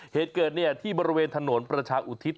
เหตุเกิดที่บริเวณถนนประชาอุทิศ